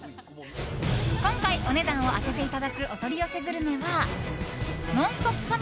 今回、お値段を当てていただくお取り寄せグルメは「ノンストップ！」